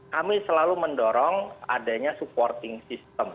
kami selalu mendorong adanya supporting system